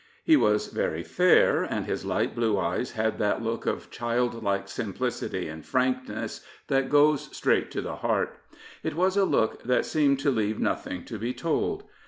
He was very fair, and his light blue eyes had that look of childlike simplicity and frankness that goes straight to the heart. It was a look that seemed to leave nothing to be told.